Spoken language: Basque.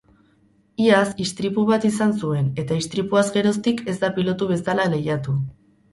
Iaz istripu bat izan zuen eta istripuaz geroztik ez da pilotu bezala lehiatu.